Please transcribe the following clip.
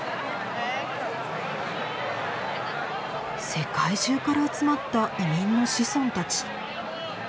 世界中から集まった移民の子孫たち。